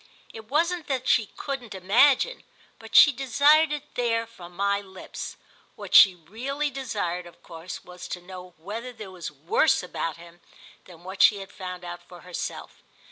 It wasn't that she couldn't imagine, but she desired it there from my lips. What she really desired of course was to know whether there was worse about him than what she had found out for herself.